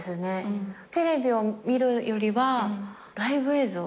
テレビを見るよりはライブ映像。